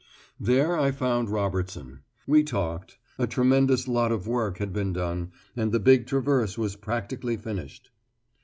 There I found Robertson. We talked. A tremendous lot of work had been done, and the big traverse was practically finished.